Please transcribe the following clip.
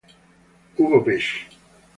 Ugo Pesci